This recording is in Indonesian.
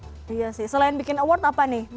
iya sih selain bikin award apa nih